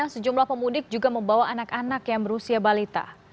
sejumlah pemudik juga membawa anak anak yang berusia balita